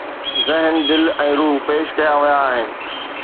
ذهن، دل ۽ روح پيش ڪيا ويا آهن